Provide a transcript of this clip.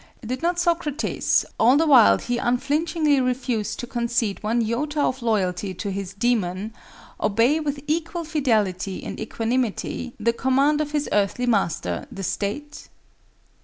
Did not Socrates, all the while he unflinchingly refused to concede one iota of loyalty to his dæmon, obey with equal fidelity and equanimity the command of his earthly master, the State?